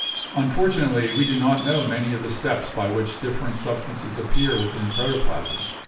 "Unfortunately, we do not know many of the steps by which different substances appear within protoplasm.